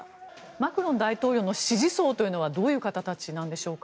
マクロン大統領の支持層はどういう方たちなんでしょうか。